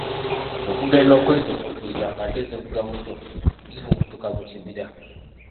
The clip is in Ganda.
Okugenda okwezimuukiriza ng'ate zivuga buto, zifubutuka mu kibira.